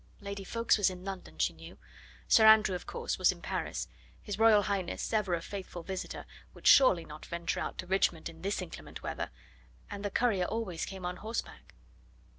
Lady Ffoulkes was in London, she knew. Sir Andrew, of course, was in Paris. His Royal Highness, ever a faithful visitor, would surely not venture out to Richmond in this inclement weather and the courier always came on horseback.